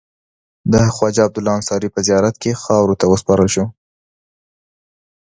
د خواجه عبدالله انصاري په زیارت کې خاورو ته وسپارل شو.